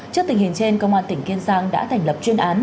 trước tình hình trên công an tỉnh kiên giang đã thành lập chuyên án